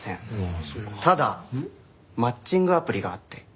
ただマッチングアプリがあって。